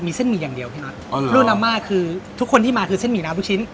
มีเส้นหมี่อย่างเดียวพี่น็อตอ๋อเหรอรวดน้ำม่าคือทุกคนที่มาคือเส้นหมี่น้ำลูกชิ้น